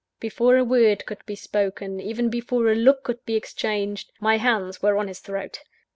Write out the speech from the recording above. Before a word could be spoken, even before a look could be exchanged, my hands were on his throat.